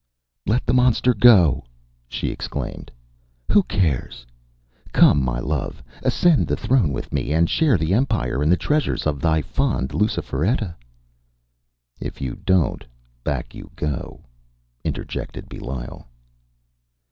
“Let the monster go!” she exclaimed; “who cares? Come, my love, ascend the throne with me, and share the empire and the treasures of thy fond Luciferetta.” “If you don’t, back you go,” interjected Belial.